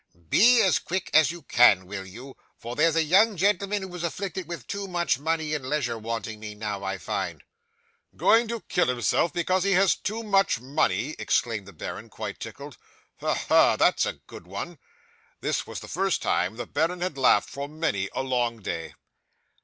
"Be as quick as you can, will you, for there's a young gentleman who is afflicted with too much money and leisure wanting me now, I find." '"Going to kill himself because he has too much money!" exclaimed the baron, quite tickled. "Ha! ha! that's a good one." (This was the first time the baron had laughed for many a long day.)